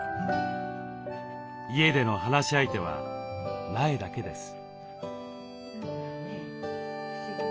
家での話し相手は苗だけです。